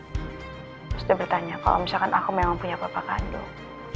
terus dia bertanya kalau misalkan aku memang punya bapak kandung